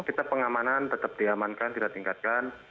kita pengamanan tetap diamankan kita tingkatkan